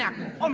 yang mau banyak